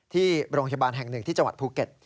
ที่โรงพยาบาลแห่งหนึ่งที่จังหวัดภูเก็ต